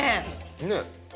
ねっ。